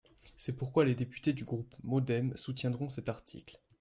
C’est pourquoi les députés du groupe MODEM soutiendront cet article.